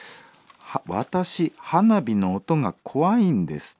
「私花火の音が怖いんです」。